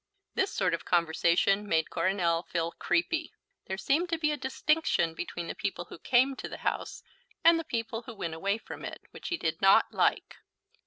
This sort of conversation made Coronel feel creepy. There seemed to be a distinction between the people who came to the house and the people who went away from it which he did not like.